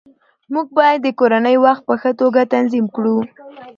موږ باید د کورنۍ وخت په ښه توګه تنظیم کړو